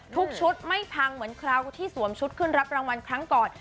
ชุดไม่พังเหมือนคราวที่สวมชุดขึ้นรับรางวัลครั้งก่อน